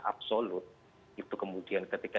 absolut itu kemudian ketika